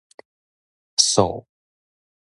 數